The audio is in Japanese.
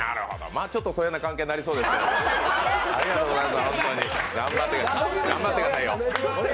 まあ、ちょっと疎遠な関係になりそうですが。